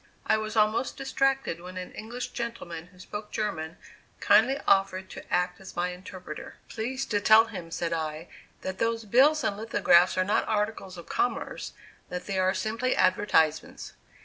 I was almost distracted, when an English gentleman who spoke German, kindly offered to act as my interpreter. "Please to tell him," said I, "that those bills and lithographs are not articles of commerce; that they are simply advertisements."